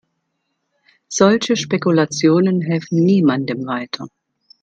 Solche Spekulationen helfen niemandem weiter.